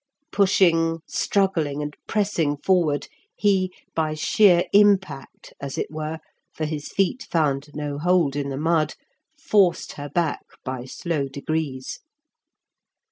Pushing, struggling, and pressing forward, he, by sheer impact, as it were, for his feet found no hold in the mud, forced her back by slow degrees.